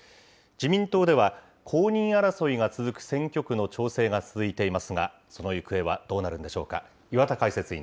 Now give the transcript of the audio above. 自民党では、公認争いが続く選挙区の調整が続いていますが、その行方はどうなるんでしょうか。